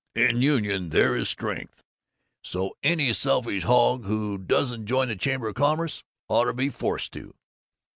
In union there is strength. So any selfish hog who doesn't join the Chamber of Commerce ought to be forced to."